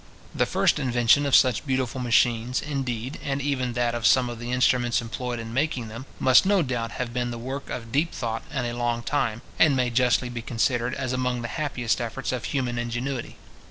The first invention of such beautiful machines, indeed, and even that of some of the instruments employed in making them, must no doubt have been the work of deep thought and long time, and may justly be considered as among the happiest efforts of human ingenuity.